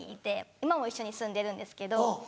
今「馬も一緒に住んでるんですけど」